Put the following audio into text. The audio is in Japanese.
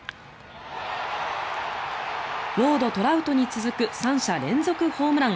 ウォード、トラウトに続く３者連続ホームラン。